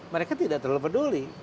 mereka tidak terlalu peduli